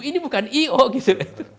ini bukan i o gitu